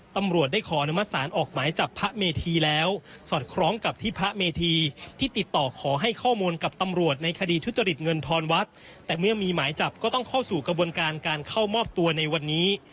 ตำรวจได้ขออนุมัติศาลออกหมายจับพระเมธีแล้วสอดคล้องกับที่พระเมธีที่ติดต่อขอให้ข้อมูลกับตำรวจในคดีทุจริตเงินทอนวัดแต่เมื่อมีหมายจับก็ต้องเข้าสู่กระบวนการการเข้ามอบตัวในวันนี้